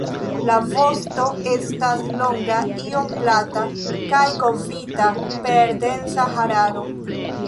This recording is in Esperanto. La vosto estas longa, iom plata kaj kovrita per densa hararo.